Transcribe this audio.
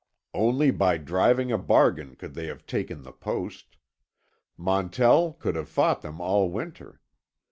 Only by driving a bargain could they have taken the post—Montell could have fought them all winter.